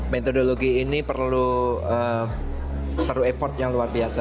metodologi ini perlu effort yang luar biasa